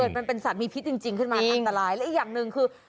มันเป็นสัตว์มีพิษจริงขึ้นมาอันตรายและอีกอย่างหนึ่งคือ